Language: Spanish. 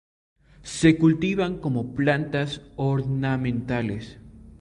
Se cultivan como plantas ornamentales.